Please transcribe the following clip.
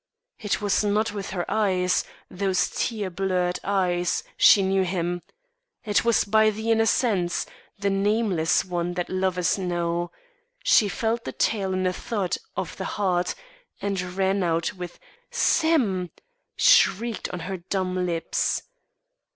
It was not with her eyes those tear blurred eyes she knew him; it was by the inner sense, the nameless one that lovers know; she felt the tale in a thud of the heart and ran out with "Sim!" shrieked on her dumb lips.